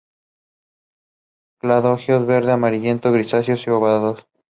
Cladodios verde-amarillento-grisáceos, obovados.